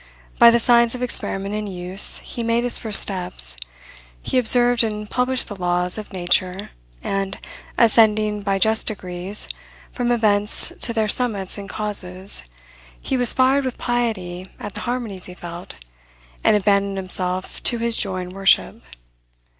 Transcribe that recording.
By the science of experiment and use, he made his first steps; he observed and published the laws of nature; and, ascending by just degrees, from events to their summits and causes, he was fired with piety at the harmonies he felt, and abandoned himself to his joy and worship.